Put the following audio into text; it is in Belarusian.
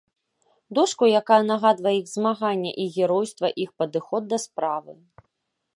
Дошку, якая нагадвае іх змаганне, іх геройства, іх падыход да справы.